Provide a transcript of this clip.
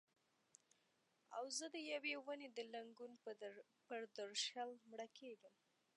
او زه د یوې ونې د لنګون پر درشل مړه کیږم